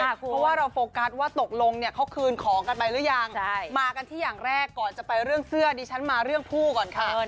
เพราะว่าเราโฟกัสว่าตกลงเนี่ยเขาคืนของกันไปหรือยังมากันที่อย่างแรกก่อนจะไปเรื่องเสื้อดิฉันมาเรื่องผู้ก่อนค่ะ